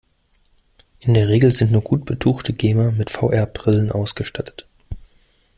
In der Regel sind nur gut betuchte Gamer mit VR-Brillen ausgestattet.